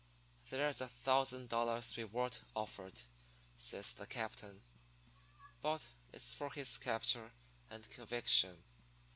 "'There's a thousand dollars reward offered,' says the captain, 'but it's for his capture and conviction.